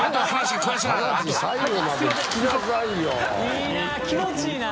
いいな気持ちいいな。